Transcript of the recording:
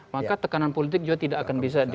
maka tekanan politik juga tidak akan bisa